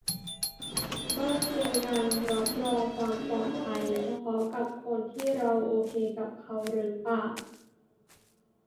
ก็เพียงการรับรองความปลอดภัยเฉพาะกับคนที่เราโอเคกับเขาหรือเปล่า